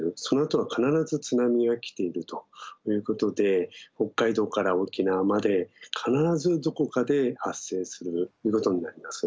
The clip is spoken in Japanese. そのあとは必ず津波が来ているということで北海道から沖縄まで必ずどこかで発生するということになります。